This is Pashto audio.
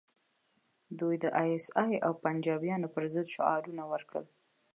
دوی د ای ایس ای او پنجابیانو پر ضد شعارونه ورکړل